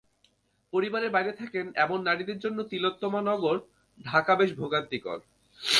পরিবারের বাইরে থাকেন এমন নারীদের জন্য তিলোত্তমা নগর ঢাকা বেশি ভোগান্তির।